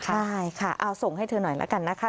ใช่ค่ะเอาส่งให้เธอหน่อยละกันนะคะ